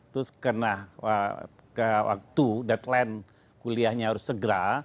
terus kena waktu deadline kuliahnya harus segera